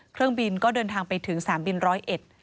เครื่องบินก็เดินทางไปถึงสนามบินร้อยเอ็ด